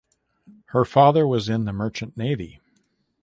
Her father was in the merchant navy.